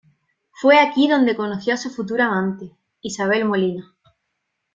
Fue aquí donde conoció a su futura amante, Isabel Molina.